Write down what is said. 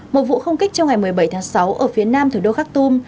một vụ không kích trong ngày một mươi bảy tháng sáu ở phía nam thủ đô khắc tôm